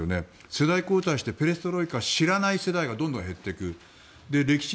世代交代してペレストロイカを知らない世代がどんどん増えていく。